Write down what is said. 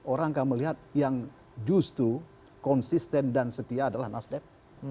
orang akan melihat yang justru konsisten dan setia adalah nasdem